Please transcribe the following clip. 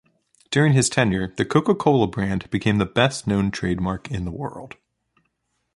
During his tenure, the Coca-Cola brand became the best-known trademark in the world.